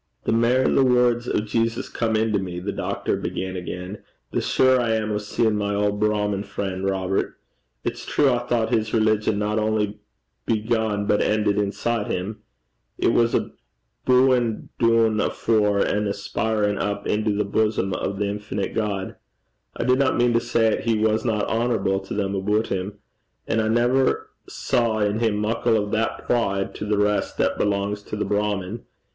'The mair the words o' Jesus come into me,' the doctor began again, 'the surer I am o' seein' my auld Brahmin frien', Robert. It's true I thought his religion not only began but ended inside him. It was a' a booin' doon afore and an aspirin' up into the bosom o' the infinite God. I dinna mean to say 'at he wasna honourable to them aboot him. And I never saw in him muckle o' that pride to the lave (rest) that belangs to the Brahmin.